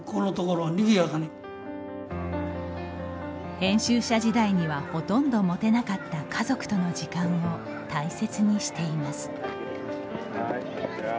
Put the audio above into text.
編集者時代にはほとんど持てなかった家族との時間を大切にしています。